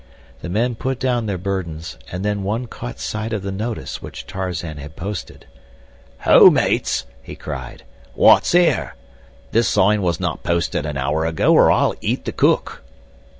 The men put down their burdens, and then one caught sight of the notice which Tarzan had posted. "Ho, mates!" he cried. "What's here? This sign was not posted an hour ago or I'll eat the cook."